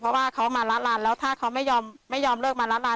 เพราะว่าเขามาละลานแล้วถ้าเขาไม่ยอมเลิกมาละลาน